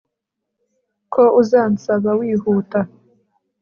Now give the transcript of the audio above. ko uzansaba wihuta